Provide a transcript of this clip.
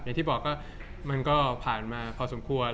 อย่างที่บอกก็มันก็ผ่านมาพอสมควร